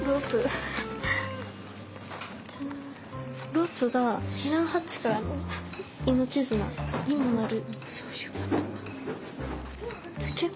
「ロープが避難ハッチからの命綱にもなる」。